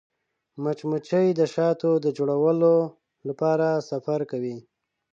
مچمچۍ د شاتو د جوړولو لپاره سفر کوي